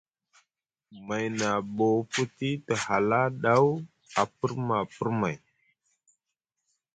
Mayni ɓa fti te hala ɗaw a pirma pirmay.